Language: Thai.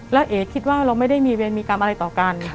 แล้วเอ๋คิดว่าเราไม่ได้มีเวรมีกรรมอะไรต่อกัน